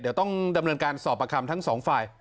เดี๋ยวต้องดำเนินการสอบประคำทั้งสองฝ่าย